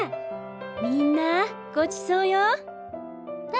みんなごちそうよ。わ！